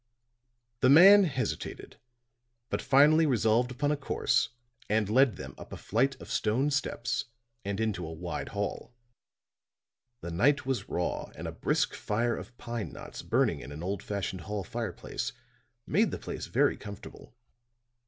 The man hesitated; but finally resolved upon a course and led them up a flight of stone steps and into a wide hall. The night was raw and a brisk fire of pine knots burning in an old fashioned hall fireplace, made the place very comfortable.